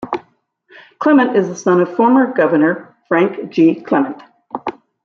Clement is the son of former Governor Frank G. Clement.